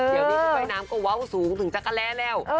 เดี๋ยวนี้ฉันว่ายน้ำก็เว้าสูงถึงจักรแร้แล้ว